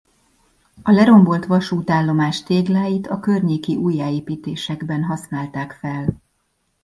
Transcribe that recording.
A lerombolt vasútállomás tégláit a környéki újjáépítésekben használták fel.